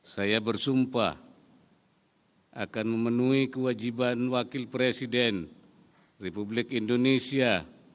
saya bersumpah akan memenuhi kewajiban wakil presiden republik indonesia